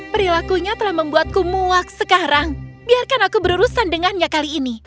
perilakunya telah membuatku muak sekarang biarkan aku berurusan dengannya kali ini